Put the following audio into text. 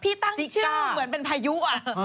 ตั้งชื่อเหมือนเป็นพายุอ่ะ